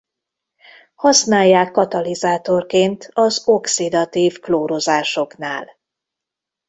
Használják katalizátorként az oxidatív klórozásoknál.